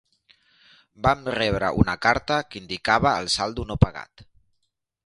Vam rebre una carta que indicava el saldo no pagat.